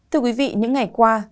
thưa quý vị những ngày qua